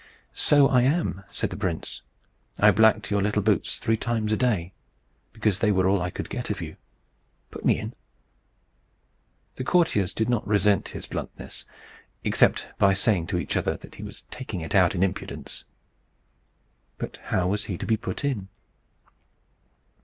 "So I am," said the prince. "I blacked your little boots three times a day, because they were all I could get of you. Put me in." The courtiers did not resent his bluntness, except by saying to each other that he was taking it out in impudence. But how was he to be put in?